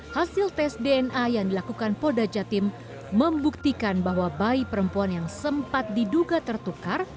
hasil tes dna yang dilakukan poda jatim membuktikan bahwa bayi perempuan yang sempat diduga tertukar